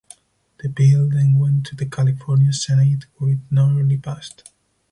The bill then went to the California Senate where it narrowly passed.